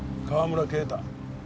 川村啓太。